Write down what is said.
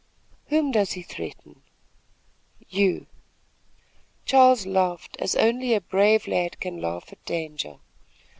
"Whom does he threaten?" "You." Charles laughed, as only a brave lad can laugh at danger.